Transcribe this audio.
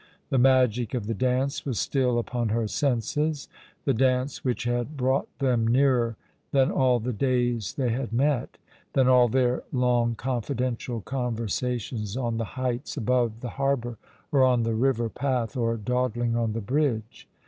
The magic of the dance was still npon her senses, the dance which had brought them nearer than all the days they had met ; than all their long confidential conversations on the heights above the harbour, or on the river path, or dawdling on the bridge.